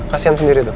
kasian sendiri tuh